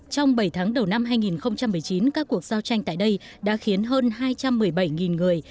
trong bảy tháng đầu năm hai nghìn một mươi chín các cuộc giao tranh tại đây đã khiến hơn hai trăm một mươi bảy người